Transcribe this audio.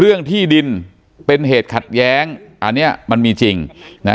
เรื่องที่ดินเป็นเหตุขัดแย้งอันเนี้ยมันมีจริงนะ